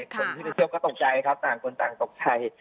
คนที่ไปเที่ยวก็ตกใจครับต่างคนต่างตกใจ